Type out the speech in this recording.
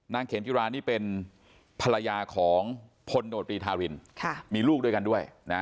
เขมจิรานี่เป็นภรรยาของพลโนตรีธารินมีลูกด้วยกันด้วยนะ